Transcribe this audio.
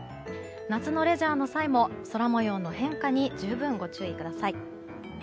夏のレジャーの際も空模様の変化に十分ご注意ください。